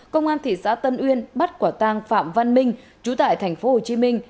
công an thị xã tân uyên bắt quả tang phạm văn minh chú tại thành phố hồ chí minh